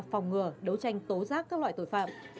phòng ngừa đấu tranh tố giác các loại tội phạm